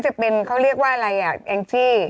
ศาลาเรือโบราณ